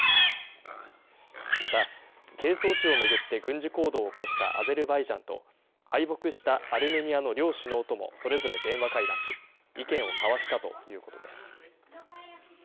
また、係争地を巡って軍事行動を起こしたアゼルバイジャンと、敗北したアルメニアの両首脳ともそれぞれ電話会談し、意見を交わしたということです。